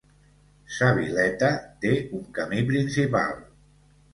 Sa Vileta té un camí principal.